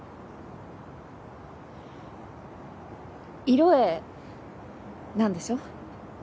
色営なんでしょ？